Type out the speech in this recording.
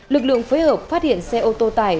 lực lượng phối hợp phát hiện xe ô tô tải